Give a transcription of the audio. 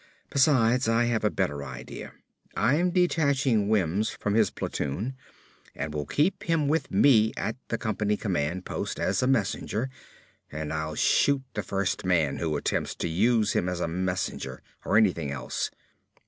"Besides, I have a better idea. I'm detaching Wims from his platoon and will keep him with me at the company command post as a messenger and I'll shoot the first man who attempts to use him as a messenger or anything else."